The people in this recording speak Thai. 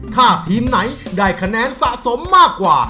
ถ้าทีมไหนได้คะแนนสะสมมากกว่า